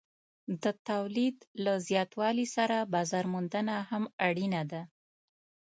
د تولید له زیاتوالي سره بازار موندنه هم اړینه ده.